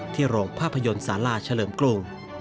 ที่โรงภาพยนตร์ศาลาชะเลิมกรุง